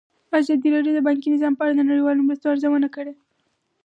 ازادي راډیو د بانکي نظام په اړه د نړیوالو مرستو ارزونه کړې.